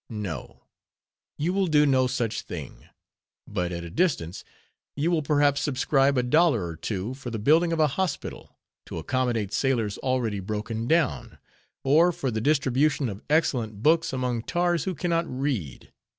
—No. You will do no such thing; but at a distance, you will perhaps subscribe a dollar or two for the building of a hospital, to accommodate sailors already broken down; or for the distribution of excellent books among tars who can not read.